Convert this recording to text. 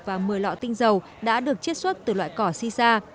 và một mươi lọ tinh dầu đã được chiết xuất từ loại cỏ xì xa